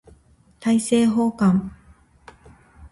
大政奉還